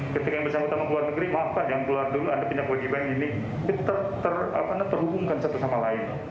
ketika yang bersama sama keluar negeri maafkan yang keluar dulu ada pindah wajiban ini terhubungkan satu sama lain